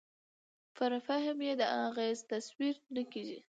پر فهم یې د اغېز تصور نه کېږي.